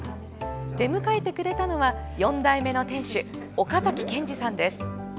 出迎えてくれたのは４代目の店主、岡崎研二さんです。